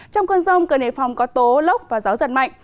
trong cơn rông cơn hệ phòng có tố lốc và gió giật mạnh